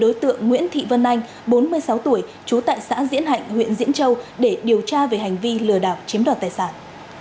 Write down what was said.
đối tượng nguyễn thị vân anh bốn mươi sáu tuổi trú tại xã diễn hạnh huyện diễn châu để điều tra về hành vi lừa đảo chiếm đoạt tài sản